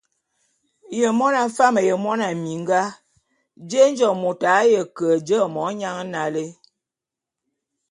Ye mona fam ye mona minga, jé nje môt a ye ke je monyan nalé?